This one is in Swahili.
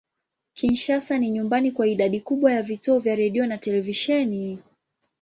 Kinshasa ni nyumbani kwa idadi kubwa ya vituo vya redio na televisheni.